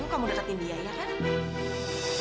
kamu deketin dia ya kan